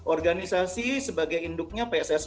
organisasi sebagai induknya pssc